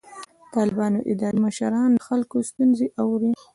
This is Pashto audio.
د طالبانو اداري مشران د خلکو ستونزې اوري.